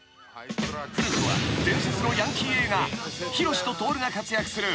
［古くは伝説のヤンキー映画ヒロシとトオルが活躍する］